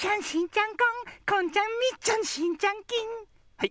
はい。